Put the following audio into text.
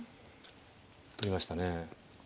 取りましたね。